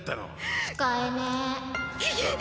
「使えねぇ」。